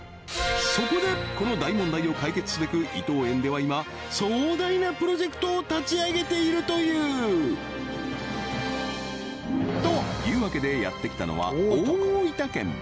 そこでこの大問題を解決すべく伊藤園では今壮大なプロジェクトを立ち上げているというというわけでやってきたのは大分県